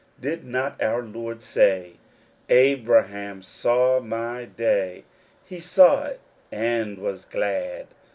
Did not our Lord say, " Abraham saw my day : he saw it, and was glad